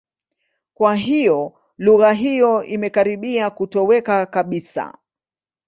Kwa hiyo, lugha hiyo imekaribia kutoweka kabisa.